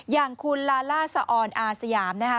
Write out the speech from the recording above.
อย่างคุณลาล่าสะออนอาสยามนะคะ